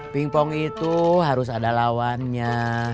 ping pong itu harus ada lawannya